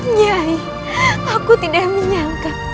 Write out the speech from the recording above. nyai aku tidak menyangka